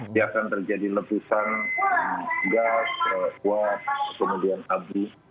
biasa terjadi lepusan gas kuat kemudian abu